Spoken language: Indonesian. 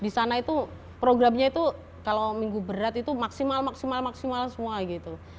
di sana itu programnya itu kalau minggu berat itu maksimal maksimal semua gitu